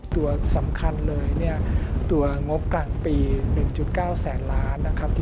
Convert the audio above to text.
ตัวสำคัญเลยตัวงบกลางปี๑๙แสนล้านบาท